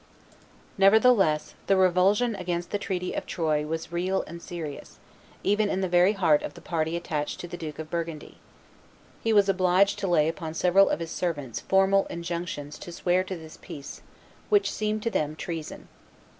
Nevertheless the revulsion against the treaty of Troyes was real and serious, even in the very heart of the party attached to the Duke of Burgundy. He was obliged to lay upon several of his servants formal injunctions to swear to this peace, which seemed to them treason.